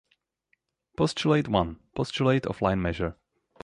Postulate I: Postulate of line measure.